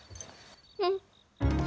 うん。